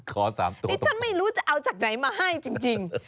๓ตัวดิฉันไม่รู้จะเอาจากไหนมาให้จริง